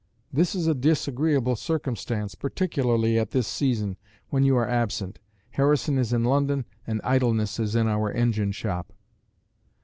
"This is a disagreeable circumstance, particularly at this season, when you are absent. Harrison is in London and idleness is in our engine shop."